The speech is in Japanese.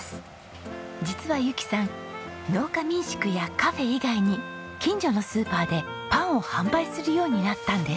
実はゆきさん農家民宿やカフェ以外に近所のスーパーでパンを販売するようになったんです。